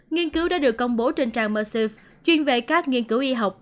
nghiên cứu đã được công bố trên trang mersiff chuyên về các nghiên cứu y học